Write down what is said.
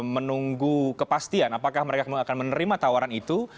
menunggu kepastian apakah mereka akan menerima tawaran itu